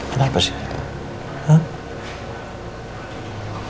ada apa sih